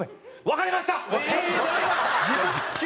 「わかりました」。